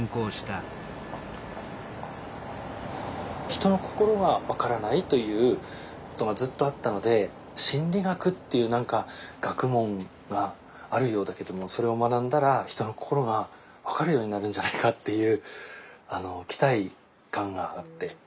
人の心が分からないということがずっとあったので心理学っていう何か学問があるようだけどもそれを学んだら人の心が分かるようになるんじゃないかっていう期待感があって。